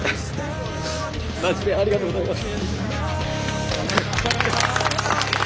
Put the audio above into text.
マジでありがとうございます。